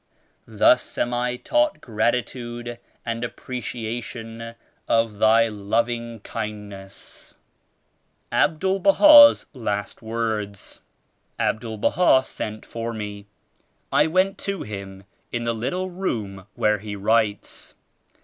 Thus am I taught gratitude and appreciation of thy lov ing kindness.' " 110 ABDUL BAHA'S LAST WORDS. Abdul Baha sent for me. I went to him in the little room where he writes.